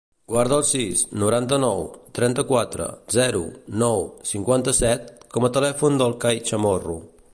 Guarda el sis, noranta-nou, trenta-quatre, zero, nou, cinquanta-set com a telèfon del Kai Chamorro.